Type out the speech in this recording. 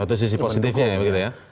itu sisi positifnya ya